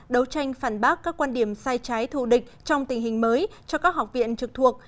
đấu tranh phản bác các quan điểm sai trái thù địch trong tình hình mới cho các học viện trực thuộc